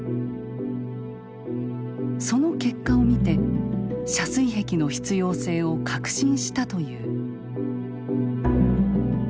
その結果を見て遮水壁の必要性を確信したという。